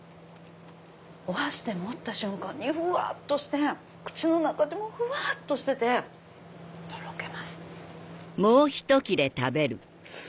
お箸で持った瞬間にふわっとして口の中でもふわっとしててとろけます。